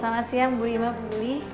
selamat siang bu ima bumi